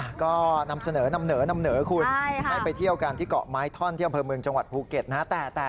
ก็นำเสนอนำเหนอนำเหนอคุณให้ไปเที่ยวกันที่เกาะไม้ท่อนที่อำเภอเมืองจังหวัดภูเก็ตนะฮะ